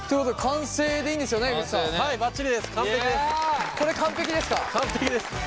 完璧です。